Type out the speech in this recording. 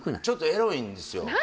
ちょっとエロいんですよ